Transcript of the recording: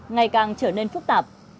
ngày càng trở nên phức tạp